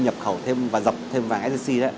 nhập khẩu thêm và dọc thêm vàng sgc